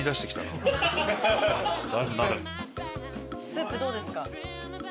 スープどうですか？